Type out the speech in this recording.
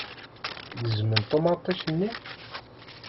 Gezmen ṭumaṭic-nni.